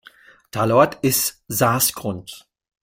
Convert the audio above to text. Talort ist Saas-Grund.